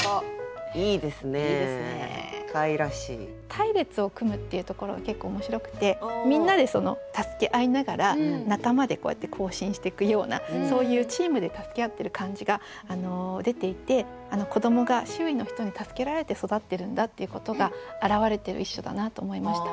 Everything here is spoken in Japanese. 「隊列を組む」っていうところが結構面白くてみんなで助け合いながら仲間でこうやって行進してくようなそういうチームで助け合ってる感じが出ていて子どもが周囲の人に助けられて育ってるんだっていうことが表れてる一首だなと思いました。